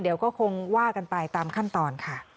เดี๋ยวก็คงว่ากันไปตามขั้นตอนค่ะ